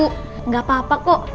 tidak apa apa kok